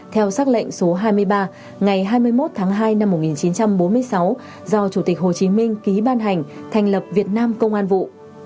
theo xác lệnh số hai mươi ba ngày hai mươi một tháng hai năm một nghìn chín trăm bốn mươi sáu do chủ tịch hồ chí minh ký ban hành thành lập việt nam công an vụ